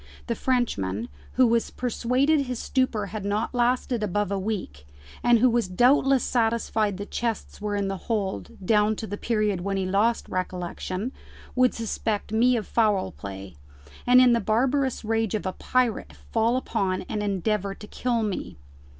the Frenchman, who was persuaded his stupor had not lasted above a week, and who was doubtless satisfied the chests were in the hold down to the period when he lost recollection, would suspect me of foul play, and in the barbarous rage of a pirate fall upon and endeavour to kill me.